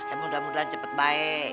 eh mudah mudahan cepet baik